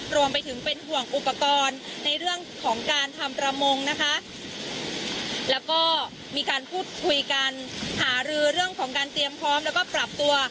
รวมไปถึงเป็นห่วงอุปกรณ์ในเรื่องของการทำประมงนะคะแล้วก็มีการพูดคุยกันหารือเรื่องของการเตรียมพร้อมแล้วก็ปรับตัว